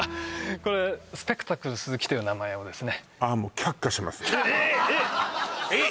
これスペクタクル鈴木という名前をですねえええっ！